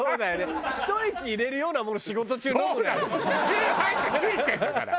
「酎ハイ」ってついてんだから！